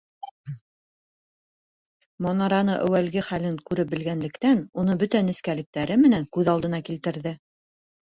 Манараның әүәлге хәлен күреп белгәнлектән, уны бөтә нескәлектәре менән күҙ алдына килтерҙе.